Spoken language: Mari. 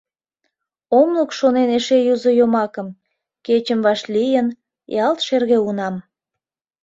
Ом лук шонен эше юзо йомакым — Кечым вашлийын, ялт шерге унам.